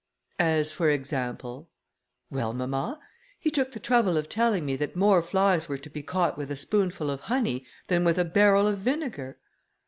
"As, for example:" "Well, mamma, he took the trouble of telling me that more flies were to be caught with a spoonful of honey than with a barrel of vinegar."